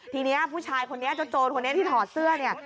ทีนี้ผู้ชายคนนี้เจ้าโจรคนนี้ที่ถอดเสื้อเนี่ย